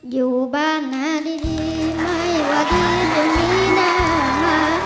อยู่บ้านหนาดีมั้ยว่าที่จะมีหน้าหา